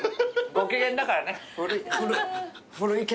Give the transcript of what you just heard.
ご機嫌だから。